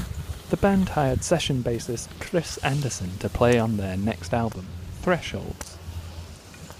The band hired session bassist Chris Anderson to play on their next album, "Thresholds".